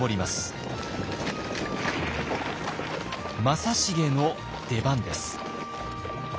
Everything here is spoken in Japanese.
正成の出番です。